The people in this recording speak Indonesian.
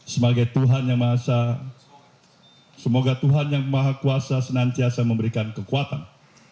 semoga tuhan yang maha kuasa senantiasa memberikan kekuatan